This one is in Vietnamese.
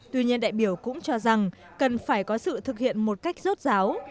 tuy nhiên đại biểu cũng cho rằng cần phải có sự thực hiện một cách rốt ráo